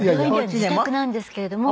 自宅なんですけれども。